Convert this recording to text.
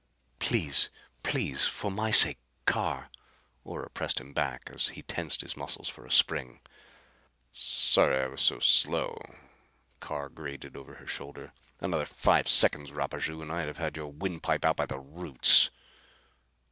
"Please, please, for my sake, Carr!" Ora pressed him back as he tensed his muscles for a spring. "Sorry I was so slow," Carr grated, over her shoulder. "Another five seconds, Rapaju, and I'd have had your windpipe out by the roots."